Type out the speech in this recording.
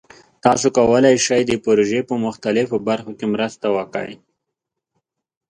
تاسو کولی شئ د پروژې په مختلفو برخو کې مرسته وکړئ.